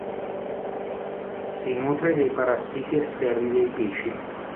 Si nutre dei parassiti esterni dei pesci.